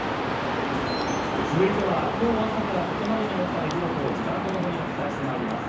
続いては今日朝からここまでに起きた出来事を時間と共にお伝えして参ります。